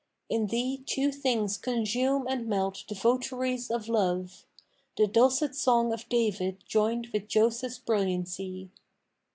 In thee two things consume and melt the votaries of Love; * The dulcet song of David joined with Joseph's brilliancy.'